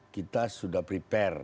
kita sudah prepare